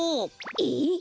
えっ！？